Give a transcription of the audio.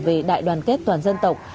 về đại đoàn kết toàn dân tộc